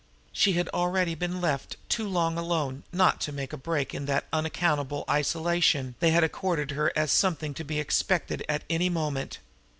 She had already been left too long alone not to make a break in that unaccountable isolation they had accorded her as something to be expected at any moment.